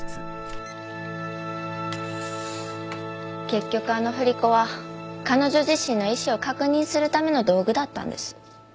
結局あの振り子は彼女自身の意思を確認するための道具だったんです。